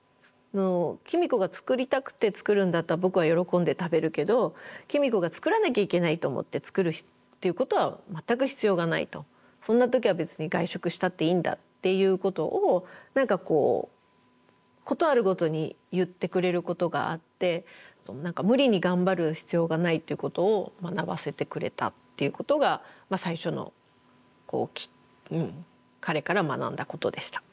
公子が作りたくて作るんだったら僕は喜んで食べるけど公子が作らなきゃいけないと思って作るっていうことは全く必要がないとそんな時は別に外食したっていいんだっていうことを何かこう事あるごとに言ってくれることがあって無理に頑張る必要がないっていうことを学ばせてくれたっていうことが最初の彼から学んだことでした。